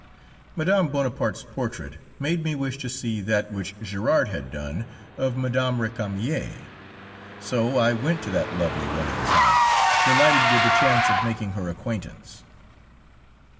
Mme. Bonaparte's portrait made me wish to see that which Gérard had done of Mme. Récamier. So I went to that lovely woman's house, delighted with the chance of making her acquaintance.